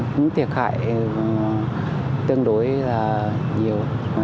những thiệt hại tương đối là nhiều